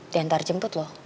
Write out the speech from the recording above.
diantar jemput loh